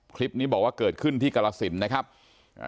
คลิปนี้บอกว่าเกิดขึ้นที่กรสินนะครับอ่า